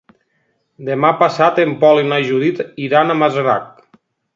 Demà passat en Pol i na Judit iran a Masarac.